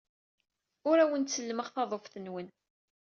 Ur awen-ttellmeɣ taḍuft-nwen.